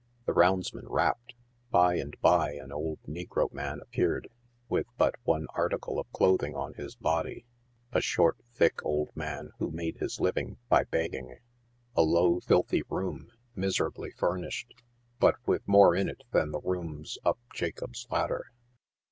The roundsman rapped ; by and by an old negro man appeared, with but one article of clothing on his body — a short, thick old man, who made his living by begging. A low, filthy room, miserably furnished, but with more in it than the rooms up Jacob's Ladder.